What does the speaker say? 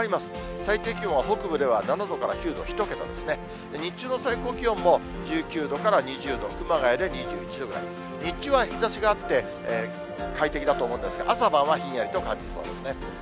最低気温は北部では７度から９度、１桁ですね、日中の最高気温も１９度から２０度、熊谷で２１度ぐらい、日中は日ざしがあって、快適だと思うんですが、朝晩はひんやりと感じそうですね。